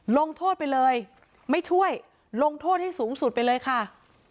ลงโทษไปเลยไม่ช่วยลงโทษให้สูงสุดไปเลยค่ะ